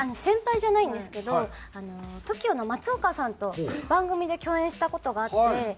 先輩じゃないんですけどＴＯＫＩＯの松岡さんと番組で共演した事があって。